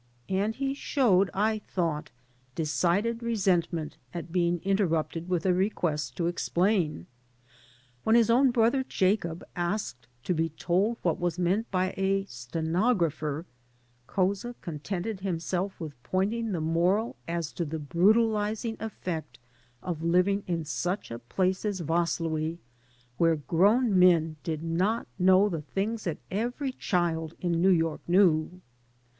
And he showed, I thought, decided resentment at being inter rupted with a request to explain. When his own brother Jacob asked to be told what was meant by a stenographer, Couza contented himself with pointing the moral as to the brutalizing effect of living in such a place as Vaslui, where grown men did not know the things that every child in New York knew.